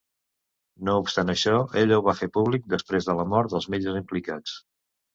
No obstant això, ella ho va fer públic després de la mort dels metges implicats.